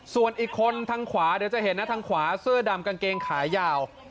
ส่วนอีกคนทางขวาเดี๋ยวจะเห็นนะทางขวาเสื้อดำกางเกงขายาว